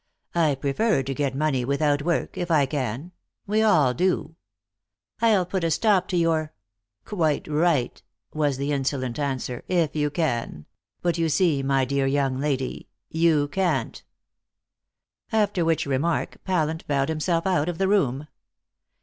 "I prefer to get money without work, if I can. We all do." "I'll put a stop to your " "Quite right," was the insolent answer, "if you can; but you see, my dear young lady, you can't." After which remark Pallant bowed himself out of the room.